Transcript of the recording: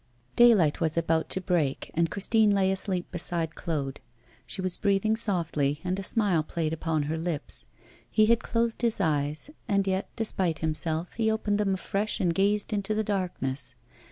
Daylight was about to break, and Christine lay asleep beside Claude. She was breathing softly, and a smile played upon her lips. He had closed his eyes; and yet, despite himself, he opened them afresh and gazed into the darkness.